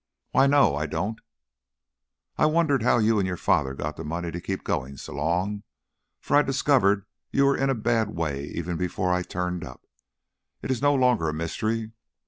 "Why no. I don't " "I wondered how you and your father got the money to keep going so long, for I discovered you were in a bad way even before I turned up. It is no longer a mystery.